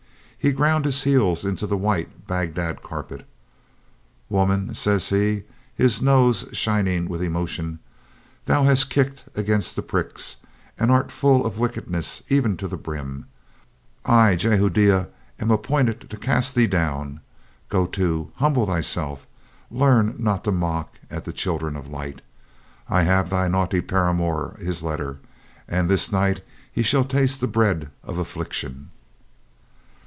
He ground his heels into the white Bagdad carpet. "Woman," says he, his nose shining with emotion, "thou hast kicked against the pricks, and art full of wickedness even to the brim. I, Jehoiada, am ap pointed to cast thee down. Go to. Humble thyself. Learn not to mock at the children of light. I have thy naughty paramour his letter, and this night he shall taste the bread of affliction."